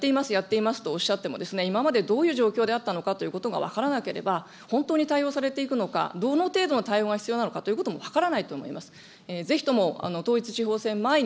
やっています、やっていますとおっしゃっても、今までどういう状況であったのかということが分からなければ、本当に対応されていくのか、どの程度の対応が必要なのかということも分からないと思います。